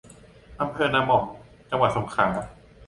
อำเภอนาหม่อม จังหวัดสงขลา